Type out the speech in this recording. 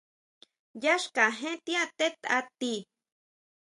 Yá xkajén ti atetʼa tíi.